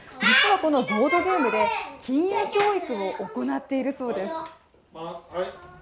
このボードゲームで金融教育を行っているそうです。